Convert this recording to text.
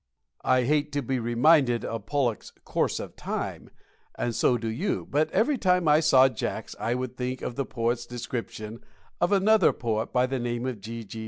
I hate to be reminded of Pollok's "Course of Time," and so do you; but every time I saw Jacks I would think of the poet's description of another poet by the name of G. G.